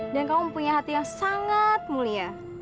dan kamu mempunyai hati yang sangat mulia